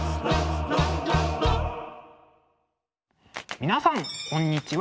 皆さんこんにちは。